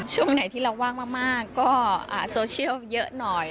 ช่วงไหนที่เราว่างมากก็โซเชียลเยอะหน่อย